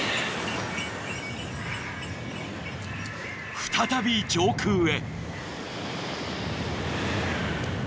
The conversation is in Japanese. ［再び上空へ］